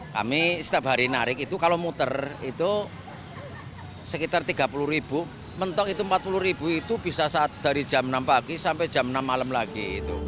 kami setiap hari narik itu kalau muter itu sekitar tiga puluh ribu mentok itu empat puluh ribu itu bisa dari jam enam pagi sampai jam enam malam lagi